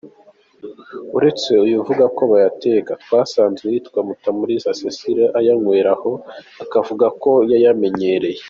Urete uyu uvuga ko bayateka, twasanze uwitwa Mutamuriza Cecile ayanywereye aho, akavuga ko yayamenyereye.